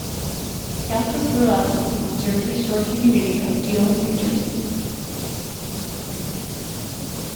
Scialfa grew up in the Jersey Shore community of Deal, New Jersey.